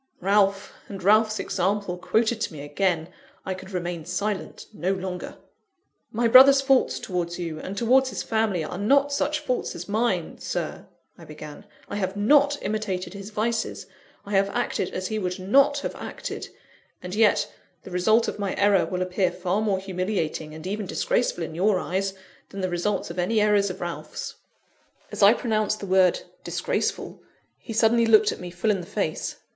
Ralph, and Ralph's example quoted to me again! I could remain silent no longer. "My brother's faults towards you, and towards his family, are not such faults as mine, Sir," I began. "I have not imitated his vices; I have acted as he would not have acted. And yet, the result of my error will appear far more humiliating, and even disgraceful, in your eyes, than the results of any errors of Ralph's." As I pronounced the word "disgraceful," he suddenly looked me full in the face.